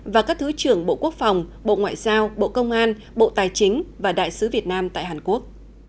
và các thứ trưởng bộ quốc phòng bộ ngoại giao bộ công an bộ tài chính và đại sứ việt nam tại hàn quốc